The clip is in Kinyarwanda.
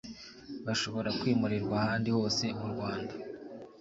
bashobora kwimurirwa ahandi hose mu Rwanda